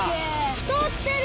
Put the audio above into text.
太ってる！